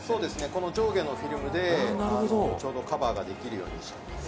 この上下のフィルムでちょうどカバーができるようにしてます。